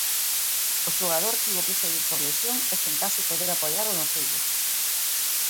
O xogador tivo que saír por lesión e sen case poder apoiar o nocello.